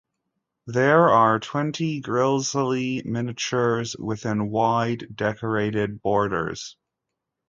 There are twenty grisaille miniatures within wide, decorated borders.